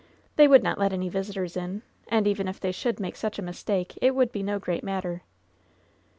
They would not let any visitors in. And even if they should make such a mistake, it would be no great mat ter!"